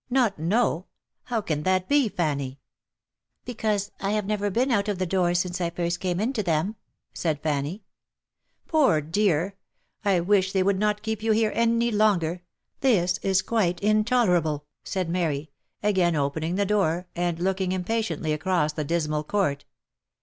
" Not know ? How can that be, Fanny ?"" Because I have never been out of the doors since I first came into them," said Fanny. " Poor dear ! I wish they would not keep you here any longer — this is quite intolerable !" said Mary, again opening the door, and looking impatiently across the dismal court.